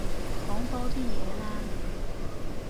講多啲嘢啦